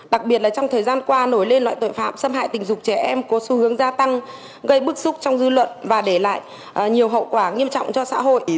đặc biệt là trong thời gian qua nổi lên loại tội phạm xâm hại tình dục trẻ em có xu hướng gia tăng gây bức xúc trong dư luận và để lại nhiều hậu quả nghiêm trọng cho xã hội